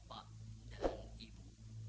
bapak dan ibu